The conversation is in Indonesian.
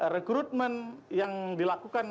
rekrutmen yang dilakukan